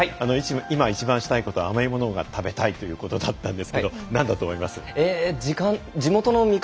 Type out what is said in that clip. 今一番したいことは、甘いものが食べたいということだったんですがなんだと思いますか？